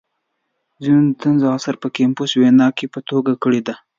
• ځینو د طنز عنصر په کنفوسیوس ویناوو کې په ګوته کړی دی.